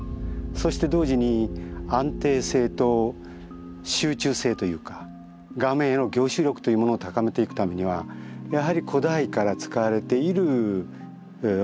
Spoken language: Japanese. そして同時に安定性と集中性というか画面への凝集力というものを高めていくためにはやはり古代から使われているまあ